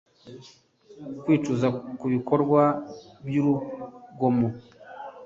kwicuza ku bikorwa byurugomo